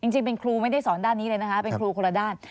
จริงเป็นครูไม่ได้สอนด้านนี้เลยนะคะเป็นครูคนละด้าน